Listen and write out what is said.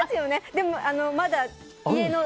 でもまだ家に。